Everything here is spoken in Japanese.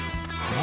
何？